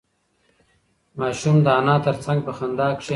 ماشوم د انا تر څنگ په خندا کې کېناست.